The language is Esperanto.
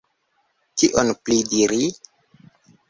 Kion pli diri?